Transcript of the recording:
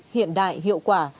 hiện đại hiệu quả